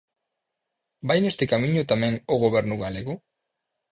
¿Vai neste camiño tamén o Goberno galego?